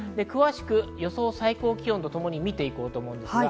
予想最高気温とともに見ていきます。